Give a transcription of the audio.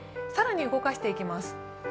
更に動かしていきます。